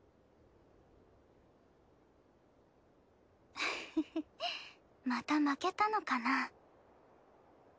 フフフまた負けたのかな？